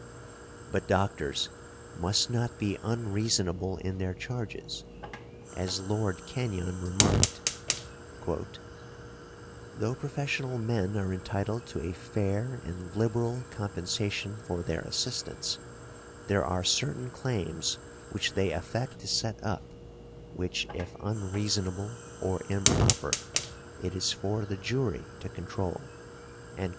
But doctors must not be unreasonable in their charges; as Lord Kenyon remarked, "Though professional men are entitled to a fair and liberal compensation for their assistance, there are certain claims which they affect to set up, which if unreasonable or improper, it is for the jury to control" .